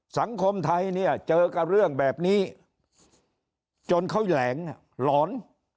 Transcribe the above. สังคมไทยเนี่ยเจอกับเรื่องแบบนี้จนเขาแหลงหลอน